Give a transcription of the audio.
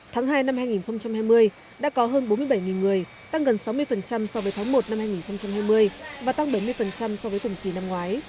tháng hai năm hai nghìn hai mươi đã có hơn bốn mươi bảy người tăng gần sáu mươi so với tháng một năm hai nghìn hai mươi và tăng bảy mươi so với cùng kỳ năm ngoái